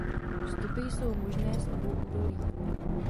Výstupy jsou možné z obou údolí.